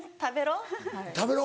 「食べろ」。